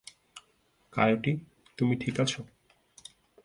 Coyote, তুমি ঠিক আছো?